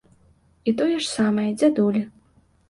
І тое ж самае дзядулі.